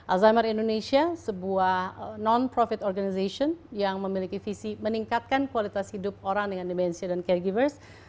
alzheimer indonesia sebuah non profit organization yang memiliki visi meningkatkan kualitas hidup orang dengan dimensia dan caregivers